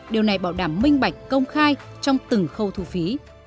điều này bảo đảm minh bạch công khai trong từng khâu thu phí